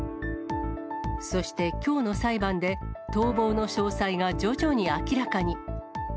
そしてきょうの裁判で、逃亡の詳細が徐々に明らかに。